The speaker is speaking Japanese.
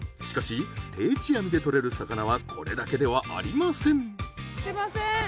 しかし定置網で獲れる魚はこれだけではありません。